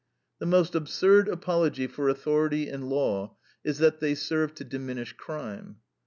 The most absurd apology for authority and law is that they serve to diminish crime.